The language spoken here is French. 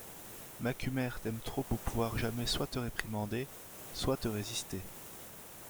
Macumer t’aime trop pour pouvoir jamais soit te réprimander, soit te résister.